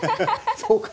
そうか？